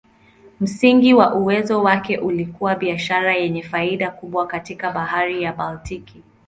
Msingi wa uwezo wake ulikuwa biashara yenye faida kubwa katika Bahari ya Baltiki.